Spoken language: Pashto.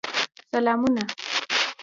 سلامونه